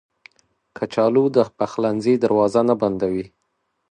کچالو د پخلنځي دروازه نه بندوي